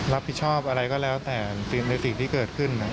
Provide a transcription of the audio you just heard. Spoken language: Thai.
รับผิดชอบอะไรก็แล้วแต่ในสิ่งที่เกิดขึ้น